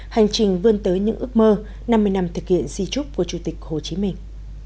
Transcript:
hành trình vươn tới những ước mơ năm mươi năm thực hiện di trúc của chủ tịch hồ chí minh